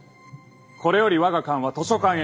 これより我が艦は図書館へ向かう。